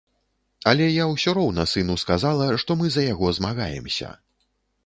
Але я ўсё роўна сыну сказала, што мы за яго змагаемся.